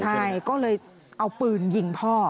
ใช่ก็เลยเอาปืนยิงพ่อ